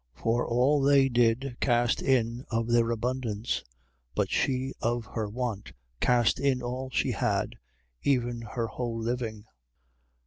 12:44. For all they did cast in of their abundance; but she of her want cast in all she had, even her whole living.